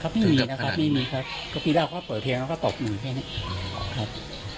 เขาไม่มีนะครับไม่มีครับเพราะที่เราเขาเปิดเพียงแล้วก็ตบหนึ่งแค่นี้ครับ